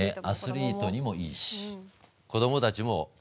アスリートにもいいし子どもたちも豚好きでしょう？